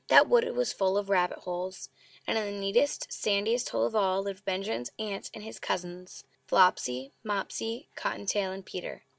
That wood was full of rabbit holes; and in the neatest, sandiest hole of all lived Benjamin's aunt and his cousins Flopsy, Mopsy, Cotton tail, and Peter.